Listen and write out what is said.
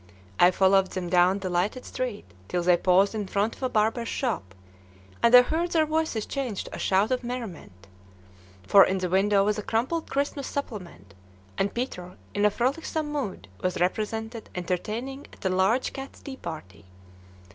I followed them down the lighted street till they paused in front of a barber's shop, and I heard their voices change to a shout of merriment: for in the window was a crumpled Christmas supplement, and Peter, in a frolicsome mood, was represented entertaining at a large cats' tea party.